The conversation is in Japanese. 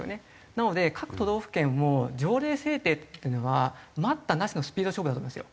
なので各都道府県も条例制定っていうのは待ったなしのスピード勝負だと思うんですよ。